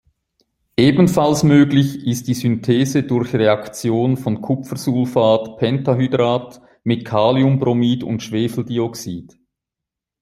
Ebenfalls möglich ist die Synthese durch Reaktion von Kupfersulfat-Pentahydrat mit Kaliumbromid und Schwefeldioxid.